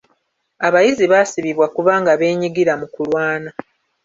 Abayizi baasibibwa kubanga beenyigira mu kulwana.